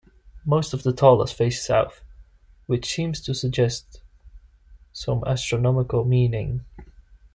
Most of the taulas face south, which seems to suggest some astronomical meaning.